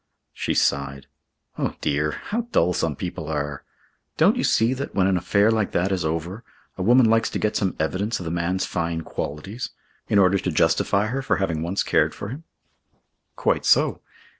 She sighed. "Oh, dear! How dull some people are! Don't you see that, when an affair like that is over, a woman likes to get some evidence of the man's fine qualities, in order to justify her for having once cared for him?" "Quite so.